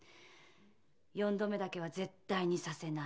四度目だけは絶対にさせない。